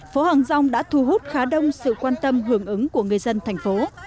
phố hàng rong đã thu hút khá đông sự quan tâm hưởng ứng của người dân thành phố